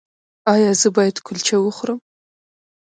ایا زه باید کلچه وخورم؟